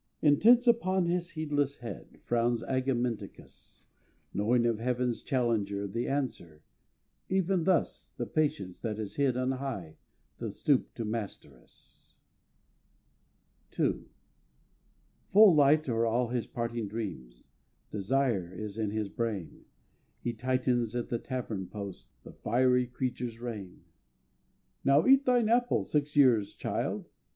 Intense upon his heedless head Frowns Agamenticus, Knowing of Heaven's challenger The answer: even thus The Patience that is hid on high Doth stoop to master us. II Full light are all his parting dreams; Desire is in his brain; He tightens at the tavern post The fiery creature's rein: "Now eat thine apple, six years' child!